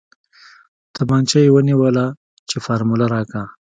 تمانچه يې ونيوله چې فارموله راکه.